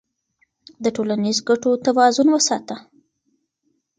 د ټولنیزو ګټو توازن وساته.